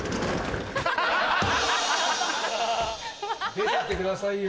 出てってくださいよ。